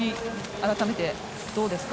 改めてどうですか？